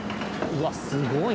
うわすごい！